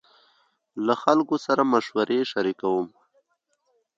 له خلکو سره مشورې شريکوم.